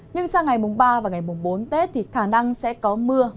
nhưng sang ngày mùng ba và ngày mùng bốn tết thì khả năng sẽ có mưa